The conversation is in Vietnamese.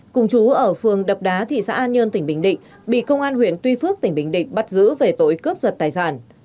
cùng chú ở phường đập đá thị xã an nhơn tỉnh bình định bị công an huyện tuy phước tỉnh bình định bắt giữ về tội cướp giật tài sản